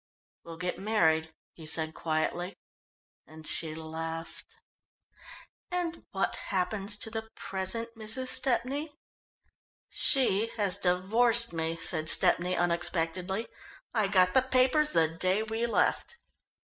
"We'll get married," he said quietly, and she laughed. "And what happens to the present Mrs. Stepney?" "She has divorced me," said Stepney unexpectedly. "I got the papers the day we left."